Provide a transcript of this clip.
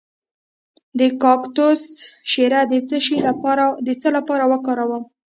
د کاکتوس شیره د څه لپاره وکاروم؟